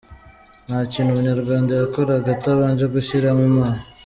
Nta kintu umunyarwanda yakoraga atabanje gushyiramo Imana.